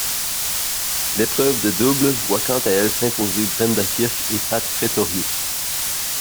L'épreuve de double voit quant à elle s'imposer Brenda Kirk et Pat Pretorius.